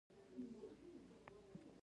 یو شاګرد غوښتل چې ځان په پیریانو ونیسي